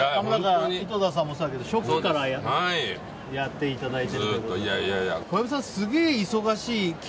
井戸田さんもそうだけど初期からやっていただいて。